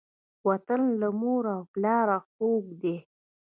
وطن له مور او پلاره خووږ دی.